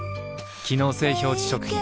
機能性表示食品